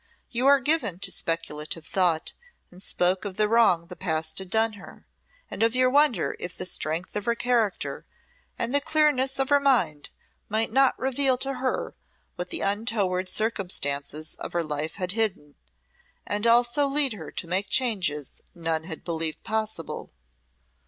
You are given to speculative thought and spoke of the wrong the past had done her, and of your wonder if the strength of her character and the clearness of her mind might not reveal to her what the untoward circumstances of her life had hidden, and also lead her to make changes none had believed possible.